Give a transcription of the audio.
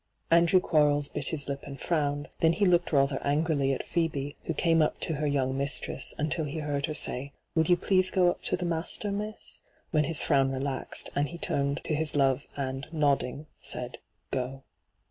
* Andrew Quarles bit his lip and frowned ; then he looked rather angrily at Phoebe, who came up to her young mistress, until be heard, her say, ' Will you please go up to the master, miss ?' when his frown relaxed, and he turned to his love and, nodding, said ' Qto.'